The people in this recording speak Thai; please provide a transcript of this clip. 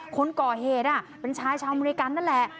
คนก่อเหตุเป็นชายชาวอเมริกันนั่นแหละ